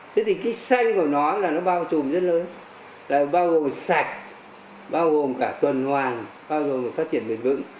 thế thì cái xanh của nó là nó bao trùm rất lớn là bao gồm sạch bao gồm cả tuần hoàng bao gồm phát triển bền vững